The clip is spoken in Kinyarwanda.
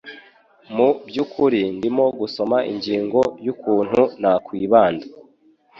Mu byukuri ndimo gusoma ingingo yukuntu nakwibanda.